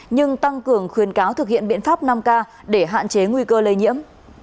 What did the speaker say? nhưng tăng cường khuyến cáo thực hiện biện pháp năm k để hạn chế nguy cơ lây nhiễm